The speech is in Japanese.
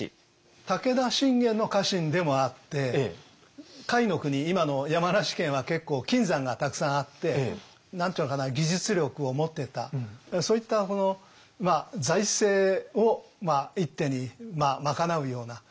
武田信玄の家臣でもあって甲斐国今の山梨県は結構金山がたくさんあって何て言うのかな技術力を持ってたそういった財政を一手に賄うようなそういう仕事をさせてます。